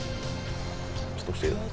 ちょっと見せて。